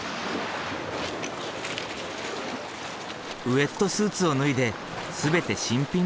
ウェットスーツを脱いで全て新品に着替える。